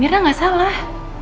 mirna gak salah